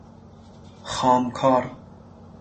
خام کار